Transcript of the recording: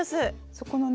そこのね